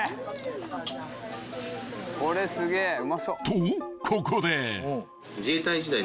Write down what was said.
［とここで］